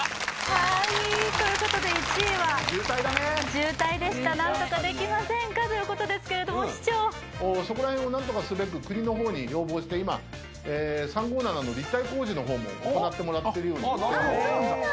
はいということで１位は渋滞でした何とかできませんかということですけれども市長そこら辺を何とかすべく国の方に要望して今３５７の立体工事の方も行ってもらってるようにしてるんですよ